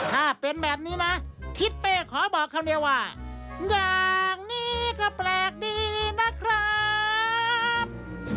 ถ้าเป็นแบบนี้นะทิศเป้ขอบอกคำเดียวว่าอย่างนี้ก็แปลกดีนะครับ